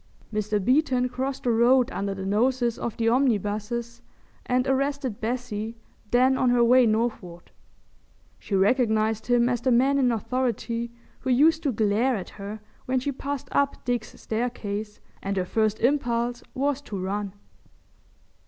Mr. Beeton crossed the road under the noses of the omnibuses and arrested Bessie then on her way northward. She recognised him as the man in authority who used to glare at her when she passed up Dick's staircase, and her first impulse was to run.